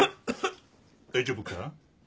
大丈夫か？